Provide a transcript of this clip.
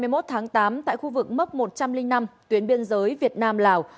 ngày một tháng tám tại khu vực mốc một trăm linh năm tuyến biên giới việt nam lào